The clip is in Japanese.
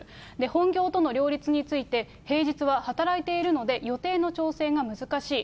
本業との両立について、平日は働いているので、予定の調整が難しい。